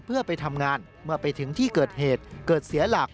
เพื่อไปทำงานเมื่อไปถึงที่เกิดเหตุเกิดเสียหลัก